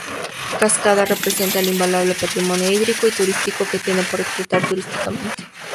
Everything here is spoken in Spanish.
Cascada: Representa el invaluable patrimonio hídrico y turístico, que tiene por explotar turísticamente.